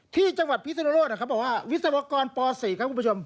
ที่จังหวัดพิศนุโลกเขาบอกว่าวิศวกรป๔ครับคุณผู้ชม